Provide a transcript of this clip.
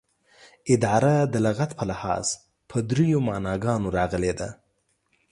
اداره دلغت په لحاظ په دریو معناګانو راغلې ده